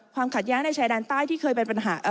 ความขัดแย้งในชายแดนใต้ที่เคยเป็นปัญหา